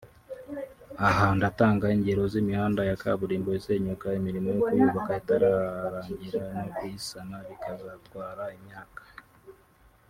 aha ndatanga ingero z’imihanda ya kaburimbo isenyuka imirimo yo kuyubaka itararangira no kuyisana bikazatwara imyaka